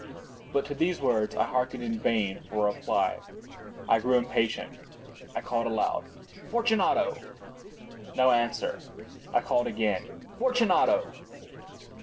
But to these words I hearkened in vain for a reply. I grew impatient. I called aloud— "Fortunato!" No answer. I called again— "Fortunato!"